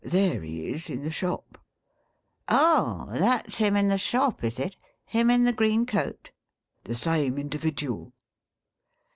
There he is, in the shop !'' Oh ! that 's him in the shop, is it 1 Him in the green coat ?'' The same indi vidual.'